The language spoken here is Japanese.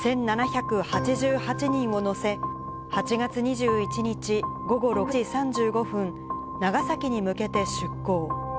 １７８８人を乗せ、８月２１日午後６時３５分、長崎に向けて出航。